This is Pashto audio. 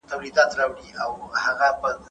زعفران زموږ د غیرت ساتونکی دی.